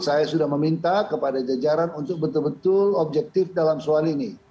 saya sudah meminta kepada jajaran untuk betul betul objektif dalam soal ini